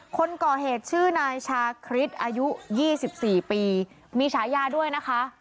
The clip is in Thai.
คนก่อเหตุชื่อนายชาคริสอายุ๒๔ปีมีฉายาด้วยนะคะ